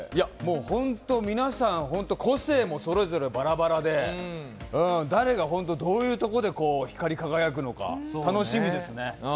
ホント、皆さん個性もそれぞれバラバラで、誰がどういうところで光り輝くのか、楽しみですね。